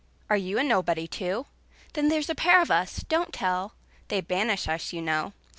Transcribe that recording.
Are you nobody, too? Then there 's a pair of us don't tell! They 'd banish us, you know.